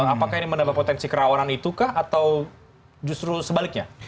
apakah ini menambah potensi kerawanan itu kah atau justru sebaliknya